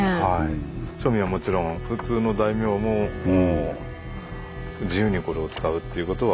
庶民はもちろん普通の大名も自由にこれを使うっていうことは。